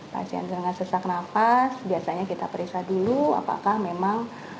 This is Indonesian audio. pasien dengan sesak nafas biasanya kita periksa dulu apakah memang